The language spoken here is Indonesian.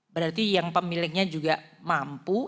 berarti yang pemiliknya juga mampu